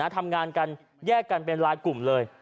ทำงานกันแยกกันเป็นรายกลุ่มเลย